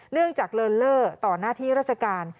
เนื่องจากเลินเล่อต่อหน้าที่ราชการ